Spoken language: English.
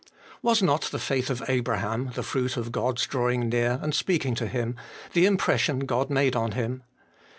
Was not the faith of Abraham the fruit of God's drawing near and speaking to him, the impression God made on him